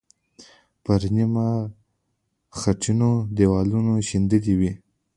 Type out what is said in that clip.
پر نیمه خټینو دیوالونو شیندلې وې.